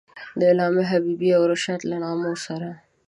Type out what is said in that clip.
د علامه حبیبي او رشاد له نامو سره.